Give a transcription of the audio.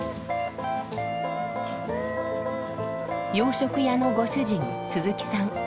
洋食屋のご主人鈴木さん。